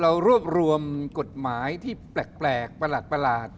เรารวบรวมกฎหมายที่แปลกประหลาด